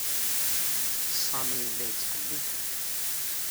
Sami yella yettqellib fell-ak.